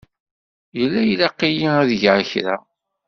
Yella ilaq-iyi ad geɣ kra.